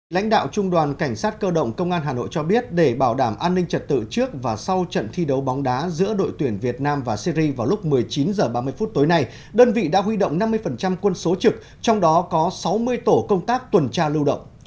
lãnh đạo trung đoàn cảnh sát cơ động công an hà nội cho biết để bảo đảm an ninh trật tự trước và sau trận thi đấu bóng đá giữa đội tuyển việt nam và syri vào lúc một mươi chín h ba mươi phút tối nay đơn vị đã huy động năm mươi quân số trực trong đó có sáu mươi tổ công tác tuần tra lưu động